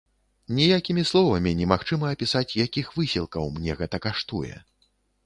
Ніякімі словамі немагчыма апісаць, якіх высілкаў мне гэта каштуе.